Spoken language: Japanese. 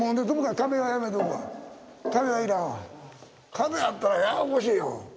壁あったらややこしいよ。